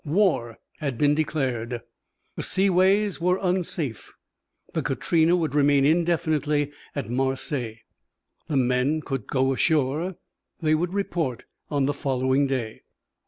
War had been declared. The seaways were unsafe. The Katrina would remain indefinitely at Marseilles. The men could go ashore. They would report on the following day.